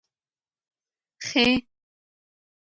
خ